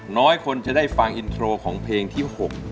น้อยคนจะได้ฟังอินโทรของเพลงที่๖